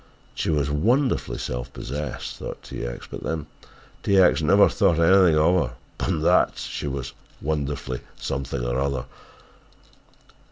She was wonderfully self possessed, thought T. X., but then T. X. never thought anything of her but that she was "wonderfully" something or the other.